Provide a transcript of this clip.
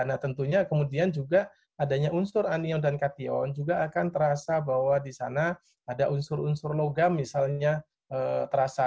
nah tentunya kemudian juga adanya unsur anion dan kation juga akan terasa bahwa di sana ada unsur unsur logam misalnya terasa